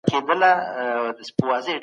کوربه هیواد بهرنی استازی نه ګواښي.